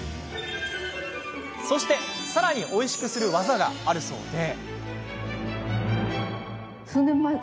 そして、さらにおいしくする技があるそうで。